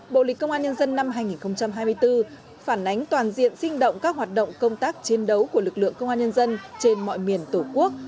bộ lịch công an nhân dân năm hai nghìn hai mươi bốn phản ánh toàn diện sinh động các hoạt động công tác chiến đấu của lực lượng công an nhân dân trên mọi miền tổ quốc